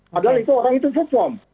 padahal itu orang itu perform